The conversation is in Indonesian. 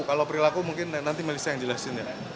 kalau perilaku mungkin nanti melissa yang jelasin ya